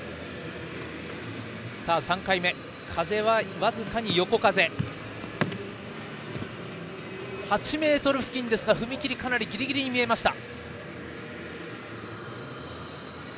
３回目は８ｍ付近ですが踏み切りがかなりギリギリに見えました。